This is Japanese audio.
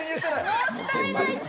もったいないって！